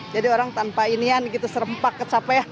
jadi orang tanpa inian gitu serempak kecapean